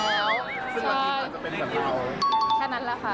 รักยิ้มก็จะเป็นฝันของเขา